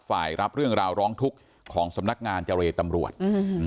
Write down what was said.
รับเรื่องราวร้องทุกข์ของสำนักงานเจรตำรวจ